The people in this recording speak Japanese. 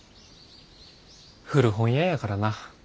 古本屋やからな。